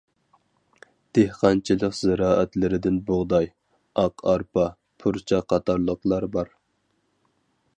دېھقانچىلىق زىرائەتلىرىدىن بۇغداي، ئاق ئارپا، پۇرچاق قاتارلىقلار بار.